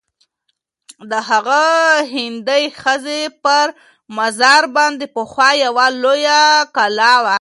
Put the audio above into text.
د هغه هندۍ ښځي پر مزار باندي پخوا یوه لویه کلا وه.